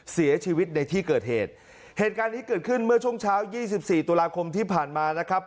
เสียชีวิตในที่เกิดเหตุเหตุการณ์นี้เกิดขึ้นเมื่อช่วงเช้ายี่สิบสี่ตุลาคมที่ผ่านมานะครับ